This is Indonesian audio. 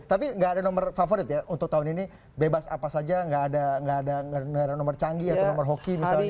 tapi nggak ada nomor favorit ya untuk tahun ini bebas apa saja nggak ada nomor canggih atau nomor hoki misalnya